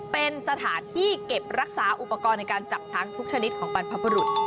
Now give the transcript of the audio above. เป็นสถานที่เก็บรักษาอุปกรณ์ในการจับช้างทุกชนิดของบรรพบุรุษ